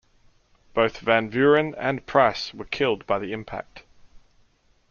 Both Van Vuuren and Pryce were killed by the impact.